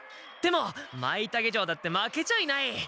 でもマイタケ城だって負けちゃいない。